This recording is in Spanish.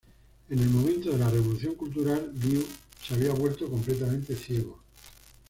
En el momento de la Revolución Cultural, Liu se había vuelto completamente ciego.